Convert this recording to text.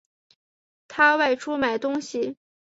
他外出买东西